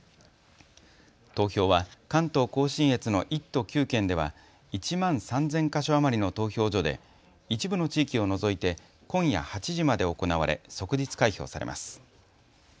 投票は関東甲信越の１都９県では１万３０００か所余りの投票所で一部の地域を除いて今夜８時まで行われ即日開票されます。